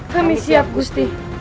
kami siap gusti